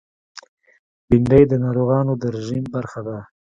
بېنډۍ د ناروغانو د رژیم برخه ده